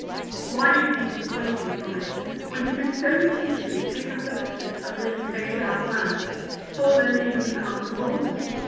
Why should he dissuade him from it, when he could so easily take up the business of this played out man, fallen into the arms of a woman?